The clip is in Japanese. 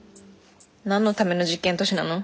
何のための実験都市なの。